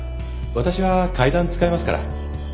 わたしは階段使いますから。